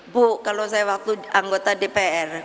bu kalau saya waktu anggota dpr